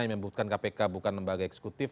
yang menyebutkan kpk bukan lembaga eksekutif